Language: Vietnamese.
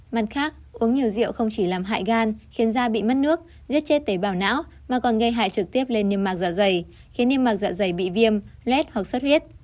mặt khác uống nhiều rượu không chỉ làm hại gan khiến da bị mất nước giết chết tế bào não mà còn gây hại trực tiếp lên niêm mạc dạ dày khiến niêm mạc dạ dày bị viêm lết hoặc xuất huyết